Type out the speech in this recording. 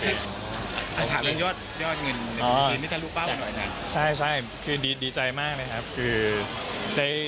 เลยอะขอยอดเยาะเงินอ๋อใช่คือดีใจมากเลยครับคือได้